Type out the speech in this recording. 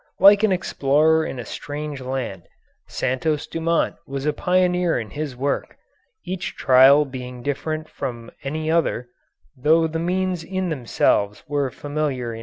Like an explorer in a strange land, Santos Dumont was a pioneer in his work, each trial being different from any other, though the means in themselves were familiar enough.